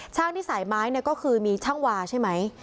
ช่างที่สายไม้ก็คือมีช่างวาใช่ไหม